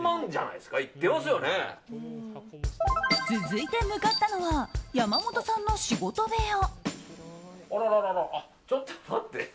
続いて向かったのは山本さんの仕事部屋。